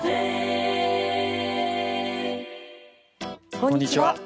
こんにちは。